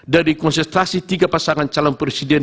dari konsentrasi tiga pasangan calon presiden